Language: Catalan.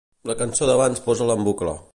La cançó d'abans posa-la en bucle.